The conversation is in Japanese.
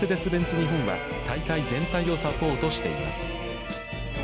日本は大会全体をサポートしています。